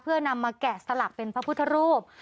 เพื่อนำมาแกะสลักเป็นพระพุทธรูป